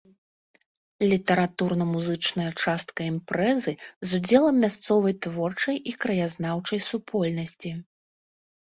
Літаратурна-музычная частка імпрэзы з удзелам мясцовай творчай і краязнаўчай супольнасці.